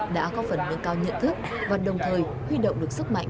đã có phần nâng cao nhận thức và đồng thời huy động được sức mạnh